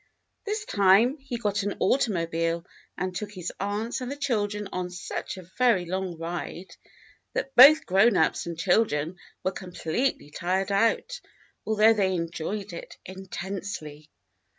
This time he got an automobile and took his aunts and the children on such a very long ride that both grown ups and children were completely tired out, although they enjoyed it intensely.